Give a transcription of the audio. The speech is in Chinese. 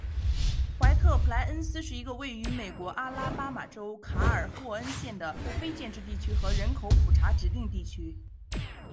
怀特普莱恩斯是一个位于美国阿拉巴马州卡尔霍恩县的非建制地区和人口普查指定地区。